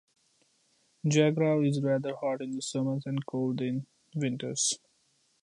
Jagraon is rather hot in the summers and cold in the winters.